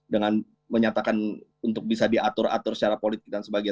dengan menyatakan untuk bisa diatur atur secara politik dan sebagainya